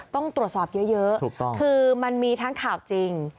ต้องตรวจสอบเยอะมันมีทั้งข่าวจริง